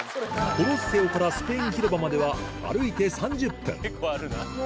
コロッセオからスペイン広場までは歩いて３０分結構あるな。